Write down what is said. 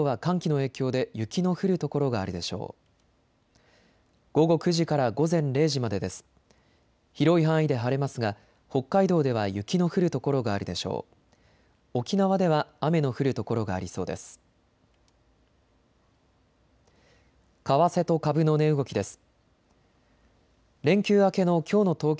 沖縄では雨の降る所がありそうです。